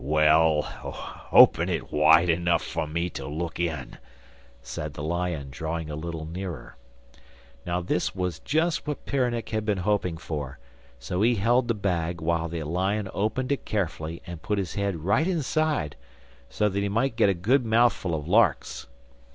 'Well, open it wide enough for me to look in,' said the lion, drawing a little nearer. Now this was just what Peronnik had been hoping for, so he held the bag while the lion opened it carefully and put his head right inside, so that he might get a good mouthful of larks.